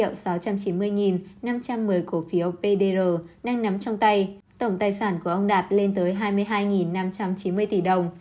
với hai trăm bốn mươi ba sáu trăm chín mươi năm trăm một mươi cổ phiếu pdr năng nắm trong tay tổng tài sản của ông đạt lên tới hai mươi hai năm trăm chín mươi tỷ đồng